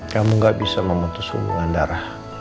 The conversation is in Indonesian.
kamu gak bisa memutus hubungan darah